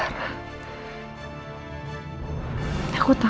aku takut hal ini akan jadi beban untuk papa dan elsa